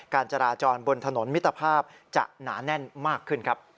การจราจรบนถนนมิตรภาพจะหนาแน่นมากขึ้นครับ